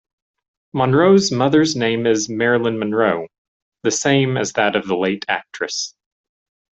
Monroe's mother's name is Marilyn Monroe, the same as that of the late actress.